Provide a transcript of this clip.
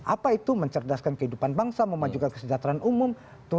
apa itu mencerdaskan kehidupan bangsa memajukan kesejahteraan umum